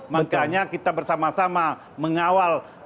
makanya kita bersama sama mengawal jalan yang pemerintah